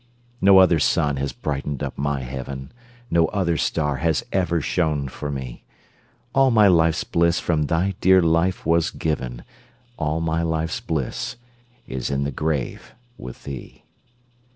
No other sun has brightened up my heaven, No other star has ever shone for me; All my life's bliss from thy dear life was given, All my life's bliss is in the grave with thee.